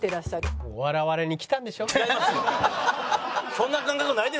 そんな感覚ないですよ。